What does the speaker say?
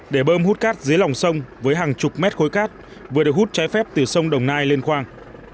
để bơm hút cát dưới lòng sông với hàng chục mét khối cát vừa được hút trái phép từ sông đồng nai lên khoang